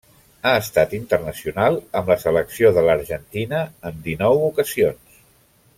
Ha estat internacional amb la selecció de l'Argentina en dinou ocasions.